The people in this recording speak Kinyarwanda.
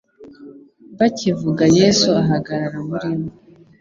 Bakibivuga Yesu ahagarara muri bo.